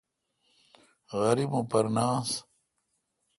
غریب ام پر نہ ہنس۔